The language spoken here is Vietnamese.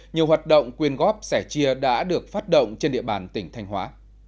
nhiều hoạt động quyên góp sẻ chia đã được phát động trên địa bàn tỉnh thanh hóa